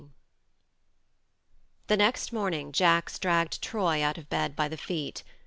X THE next morning Jacks dragged Troy out of bed by the feet.